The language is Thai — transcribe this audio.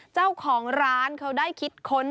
เจ้าของร้านเขาได้คิดค้น